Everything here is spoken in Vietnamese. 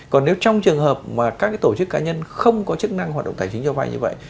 còn nếu trong trường hợp mà các tổ chức cá nhân không có chức năng hoạt động tài chính cho vay như vậy